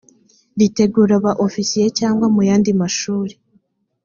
ritegura ba ofisiye cyangwa mu yandi mashuri